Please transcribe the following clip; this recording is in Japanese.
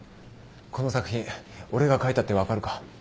この作品俺が書いたって分かるか？